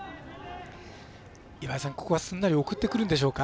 岩井さん、ここはすんなり送ってくるんでしょうか？